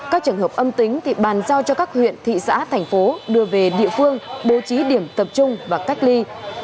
các trường hợp âm tính thì bàn giao cho các huyện thị xã thành phố đưa về địa phương bố trí điểm tập trung và cách ly